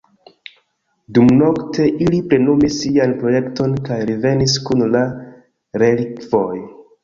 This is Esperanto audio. Dumnokte, ili plenumis sian projekton kaj revenis kun la relikvoj.